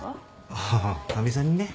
ああかみさんにね。